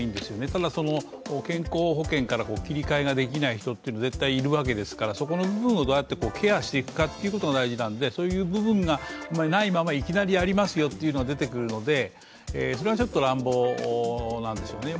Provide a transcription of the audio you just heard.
ただ、健康保険から切り替えができない人って絶対いるわけですからそこの部分をどうやってケアしていくかが大事なのでそういう部分がないままいきなりやりますよっていうのが出てくるのでそれはちょっと乱暴なんですよね。